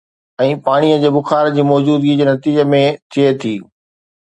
۽ پاڻيء جي بخار جي موجودگي جي نتيجي ۾ ٿئي ٿي